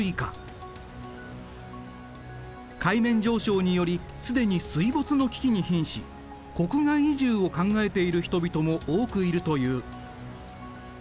海面上昇により既に水没の危機にひんし国外移住を考えている人々も多くいるという。